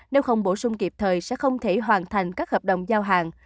nếu không bổ sung kịp thời sẽ không thể hoàn thành các hợp đồng giao hàng